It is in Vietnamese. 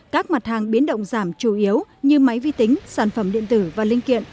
các mặt hàng biến động giảm chủ yếu như máy vi tính sản phẩm điện tử và linh kiện